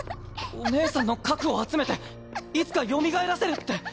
お姉さんの核を集めていつか蘇らせるって。